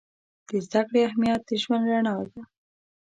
د زده کړې اهمیت د ژوند رڼا ده.